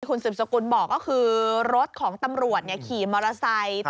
คุณสืบสกุลบอกก็คือรถของตำรวจขี่มอเตอร์ไซค์